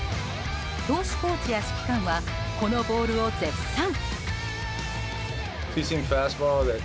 投手コーチや指揮官はこのボールを絶賛。